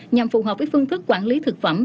nhằm phù hợp với phương thức quản lý thực phẩm